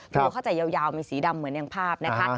ตัวเข้าใจยาวมีสีดำเหมือนอย่างภาพนะคะ